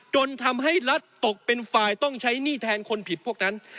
จนทำให้รัฐตกเป็นฝ่ายต้องใช้หนี้แทนคนผิดพวกนั้น